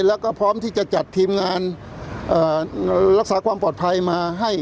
แล้วก็พร้อมที่จะจัดทีมงานรักษาความปลอดภัยมาให้